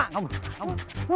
berarti kena kamu